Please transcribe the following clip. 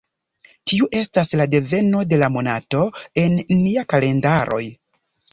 Tiu estas la deveno de la monato en nia kalendaroj.